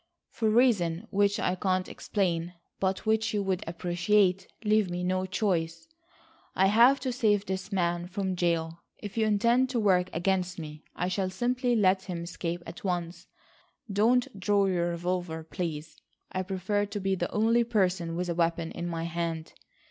"For reasons which I can't explain, but which you would appreciate, leave me no choice. I have to save this man from jail. If you intend to work against me, I shall simply let him escape at once. Don't draw your revolver, please. I prefer to be the only person with a weapon in my hand.